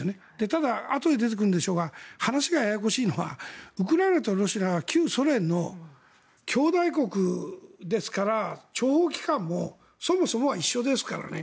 ただ、あとで出てくるんでしょうが話がややこしいのはウクライナとロシアは旧ソ連の兄弟国ですから諜報機関もそもそもは一緒ですからね。